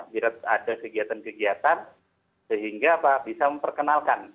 bila ada kegiatan kegiatan sehingga bisa memperkenalkan